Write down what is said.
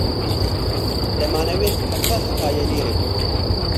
دەمانەوێت هەتا هەتایە لێرە بین.